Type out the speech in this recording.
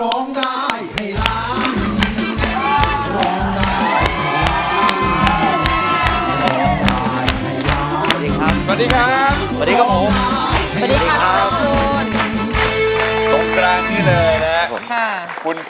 สวัสดีครับ